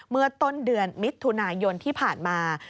เมื่อต้นเดือนมิถุนายนที่ผ่านมา